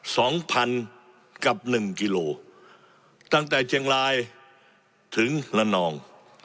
สองพันกับหนึ่งกิโลตั้งแต่เชียงรายถึงละนอง